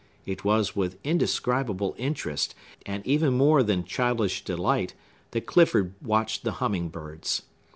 It was with indescribable interest, and even more than childish delight, that Clifford watched the humming birds.